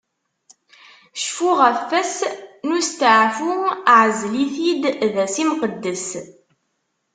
Cfu ɣef wass n usteɛfu, ɛzel-it-id d ass imqeddes.